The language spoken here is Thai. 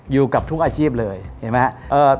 อยู่กับทุกอาชีพเลยเห็นไหมครับ